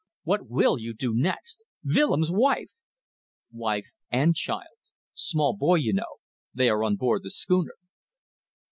What will you do next! Willems' wife!" "Wife and child. Small boy, you know. They are on board the schooner."